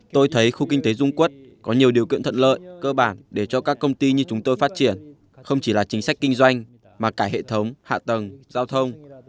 tôi thấy khu kinh tế dung quốc có nhiều điều kiện thuận lợi cơ bản để cho các công ty như chúng tôi phát triển không chỉ là chính sách kinh doanh mà cả hệ thống hạ tầng giao thông